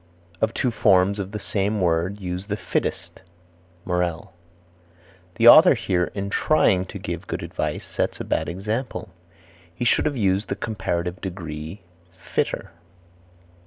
"Of two forms of the same word, use the fittest." Morell. The author here in trying to give good advice sets a bad example. He should have used the comparative degree, "Fitter."